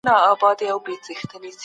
تاسو مه مایوسه کېږئ او پر ځان باور ولرئ.